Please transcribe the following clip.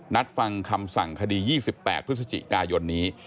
นัดฟังคำสั่งคดี๒๘พฤศจิกายนนี้